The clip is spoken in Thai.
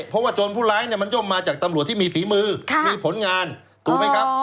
เพราะว่าโจรผู้ร้ายมันย่อมมาจากตำรวจที่มีฝีมือมีผลงานถูกไหมครับ